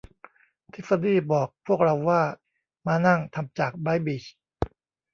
ทิฟฟานี่บอกพวกเราว่าม้านั่งทำจากไม้บีช